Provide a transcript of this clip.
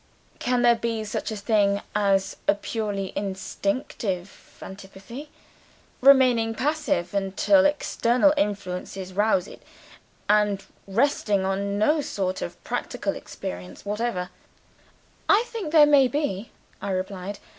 Can there be such a thing as a purely instinctive antipathy; remaining passive until external influences rouse it; and resting on no sort of practical experience whatever?" "I think there may be," I replied.